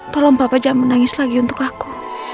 tolong bapak jangan menangis lagi untuk aku